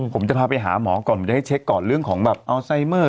ผมจะพาไปหาหมอก่อนผมจะให้เช็คก่อนเรื่องของแบบอัลไซเมอร์